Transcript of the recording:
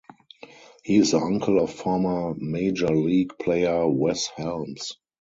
He is the uncle of former Major League player Wes Helms.